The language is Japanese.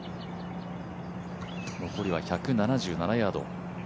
残りは１７７ヤード。